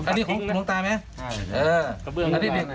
อาวาสมีการฝังมุกอาวาสมีการฝังมุกอาวาสมีการฝังมุก